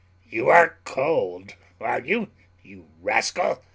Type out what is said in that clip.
"You are cold, are you, you rascal?"